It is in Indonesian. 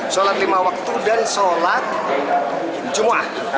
sholat lima waktu dan sholat jumat